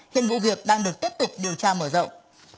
hiện vụ việc đang được tiếp tục điều tra mở rộng